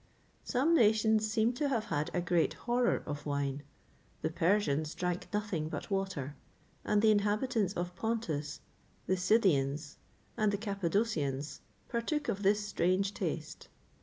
[XXVIII 16] Some nations seem to have had a great horror of wine. The Persians drank nothing but water;[XXVIII 17] and the inhabitants of Pontus, the Scythians, and the Cappadocians, partook of this strange taste.